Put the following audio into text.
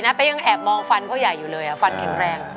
๘๔นะไปยังแอบมองฟันผู้ใหญ่อยู่เลยอะฟันแข็งแรง